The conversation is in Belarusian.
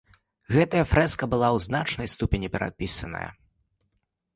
Гэтая фрэска была ў значнай ступені перапісана.